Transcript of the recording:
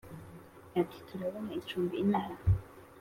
ati"turabona icumbi inaha?"